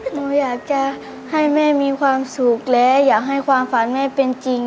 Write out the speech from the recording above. หนูอยากจะให้แม่มีความสุขและอยากให้ความฝันแม่เป็นจริง